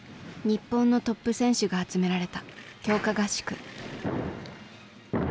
日本のトップ選手が集められた強化合宿。